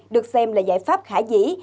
được xem là giải pháp khả dĩ